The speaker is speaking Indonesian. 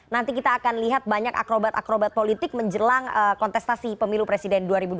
nanti kita akan lihat banyak akrobat akrobat politik menjelang kontestasi pemilu presiden dua ribu dua puluh